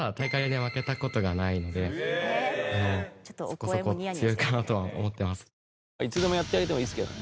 そこそこ強いかなとは思ってます。